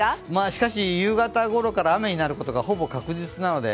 しかし、夕方ごろから雨になることが、ほぼ確実なので